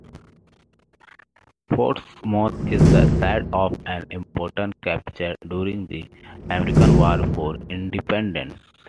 Portsmouth is the site of an important capture during the American War for Independence.